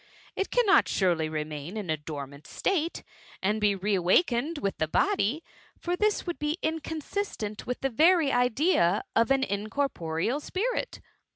It cannot surely remain in a dormant state, and be re>> awakened with the body; for this would be ioconsistrot with the very idea of an incorporeal s^rit."